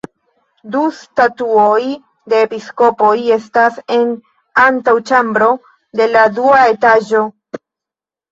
Du statuoj de episkopoj estas en antaŭĉambro de la dua etaĝo.